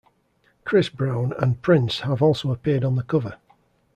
Chris Brown and Prince have also appeared on the cover.